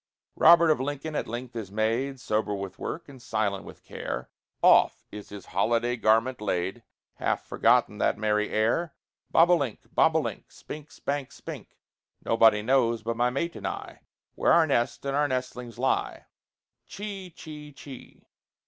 Robert of Lincoln at length is made Sober with work, and silent with care; Off is his holiday garment laid, Half forgotten that merry air: Bob o' link, bob o' link, Spink, spank, spink; Nobody knows but my mate and I Where our nest and our nestlings lie. Chee, chee, chee.